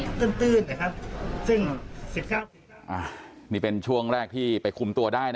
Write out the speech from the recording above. ซึ่ง๑๙นี้เป็นช่วงแรกที่ไปคุมตัวได้